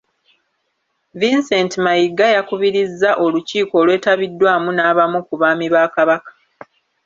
Vincent Mayiga y’akubirizza olukiiko olwetabiddwamu n’abamu ku baami ba Kabaka.